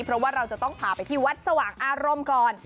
เพราะว่าเราจะต้องพาไปที่วัดสว่างอารมณ์ก่อน